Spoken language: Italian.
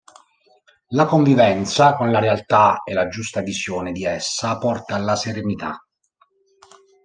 La convivenza con la realtà e la giusta visione di essa porta alla serenità.